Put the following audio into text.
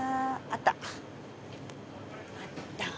あった。